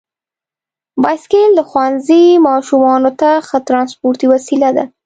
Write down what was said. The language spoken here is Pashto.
بایسکل د ښوونځي ماشومانو ته ښه ترانسپورتي وسیله ده.